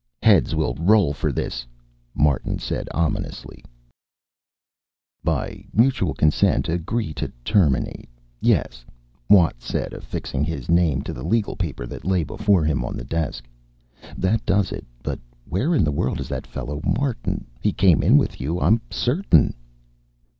"Heads will roll for this," Martin said ominously. "By mutual consent, agree to terminate ... yes," Watt said, affixing his name to the legal paper that lay before him on the desk. "That does it. But where in the world is that fellow Martin? He came in with you, I'm certain."